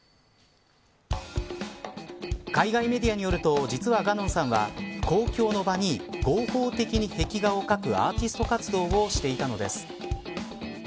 海外メディアによると実はガノンさんは公共の場に合法的に壁画を描くアーティスト活動をしていたのです。